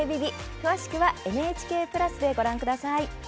詳しくはＮＨＫプラスでご覧ください。